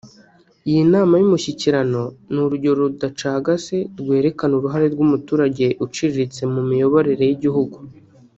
Iyi nama y’umushyikirano ni urugero rudacagase rwerekana uruhare rw’umuturage uciriritse mu miyoborere y’igihugu